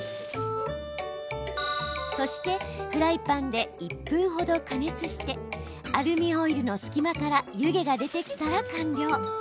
そして、フライパンで１分程加熱してアルミホイルの隙間から湯気が出てきたら完了。